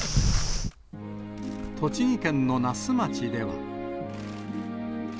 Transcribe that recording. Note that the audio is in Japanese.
栃木県の那須町では。